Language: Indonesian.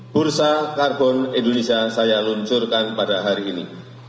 bursa karbon indonesia saya luncurkan pada hari ini